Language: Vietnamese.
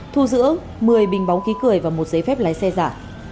thu giữa một mươi bình bóng cười và một giấy phép lái xe giả